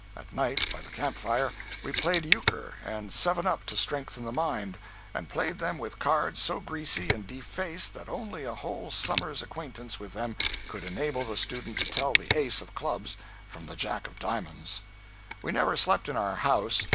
At night, by the camp fire, we played euchre and seven up to strengthen the mind—and played them with cards so greasy and defaced that only a whole summer's acquaintance with them could enable the student to tell the ace of clubs from the jack of diamonds. We never slept in our "house."